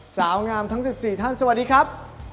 สาวงามทั้ง๑๔ท่านสวัสดีครับ